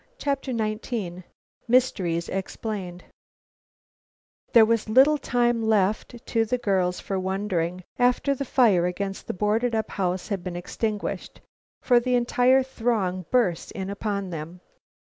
CHAPTER XIX MYSTERIES EXPLAINED There was little time left to the girls for wondering after the fire against the boarded up house had been extinguished, for the entire throng burst in upon them.